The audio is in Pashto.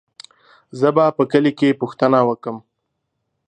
زه به په کلي کې پوښتنه وکم.